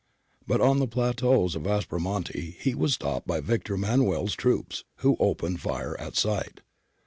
But on the plateaus of Aspro monte he was stopped by Victor Emmanuel's troops who opened fire at sight.